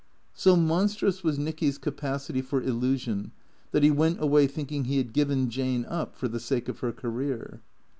So monstrous was Nicky's capacity for illusion that he went away thinking he had given Jane up for the sake of her career.